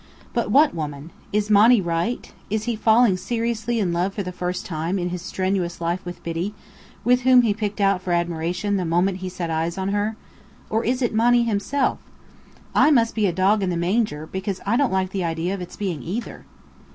But what woman? Is Monny right? Is he falling seriously in love for the first time in his strenuous life with Biddy, whom he picked out for admiration the moment he set eyes on her? Or is it Monny herself? I must be a dog in the manger, because I don't like the idea of its being either.